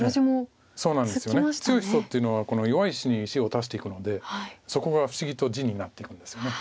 強い人っていうのは弱い石に石を足していくのでそこが不思議と地になっていくんですよね。